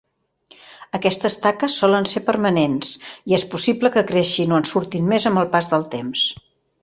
Aquestes taques solen ser permanents, i és possible que creixin o en surtin més amb el pas del temps.